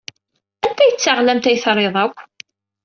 Anta ay d taɣlamt ay trid akk?